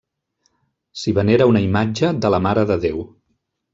S'hi venera una imatge de la Mare de Déu.